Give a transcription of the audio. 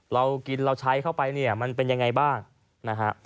เรากินเราใช้เข้าไปเนี่ยมันเป็นยังไงบ้างนะฮะ